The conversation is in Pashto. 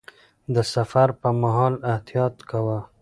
د سفر پر مهال احتياط کاوه.